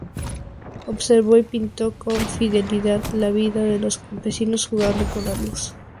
Observó y pintó con fidelidad la vida de los campesinos, jugando con la luz.